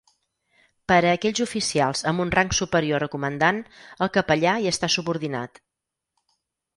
Per a aquells oficials amb un rang superior a comandant, el capellà hi està subordinat.